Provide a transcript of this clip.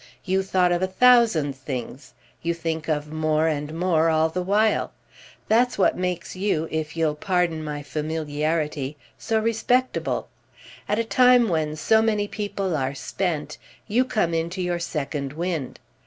You thought of a thousand things. You think of more and more all the while. That's what makes you, if you'll pardon my familiarity, so respectable. At a time when so many people are spent you come into your second wind.